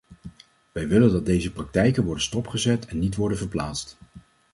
Wij willen dat deze praktijken worden stopgezet en niet worden verplaatst.